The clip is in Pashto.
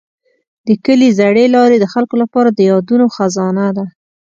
د کلي زړې لارې د خلکو لپاره د یادونو خزانه ده.